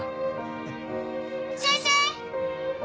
先生。